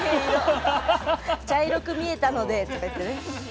「茶色く見えたので」とか言ってね。